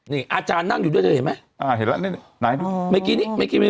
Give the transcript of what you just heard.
นี่อาจารย์นั่งอยู่ด้วยเห็นไหมอ่าเห็นแล้วนี่ไหนไม่กินอีกไม่กินอีก